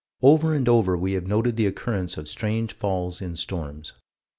Over and over have we noted the occurrence of strange falls in storms.